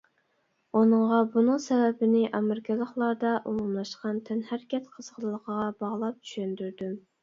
ئۇنىڭغا بۇنىڭ سەۋەبىنى ئامېرىكىلىقلاردا ئومۇملاشقان تەنھەرىكەت قىزغىنلىقىغا باغلاپ چۈشەندۈردۈم.